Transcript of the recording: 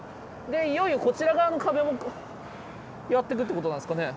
でいよいよこちら側の壁もやってくってことなんですかね。